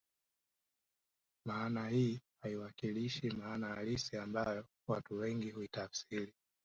Maana hii haiwakilishi maana halisi ambayo watu wengi huitafsiri